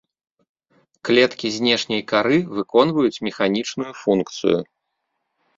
Клеткі знешняй кары выконваюць механічную функцыю.